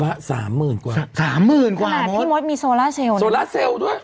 ละสามหมื่นกว่าสามหมื่นกว่าบาทพี่มดมีโซล่าเซลลโซล่าเซลล์ด้วย